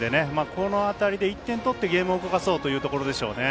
この辺りで１点取って、ゲームを動かそうという感じですね。